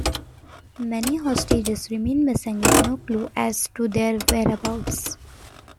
Many hostages remain missing with no clue as to their whereabouts.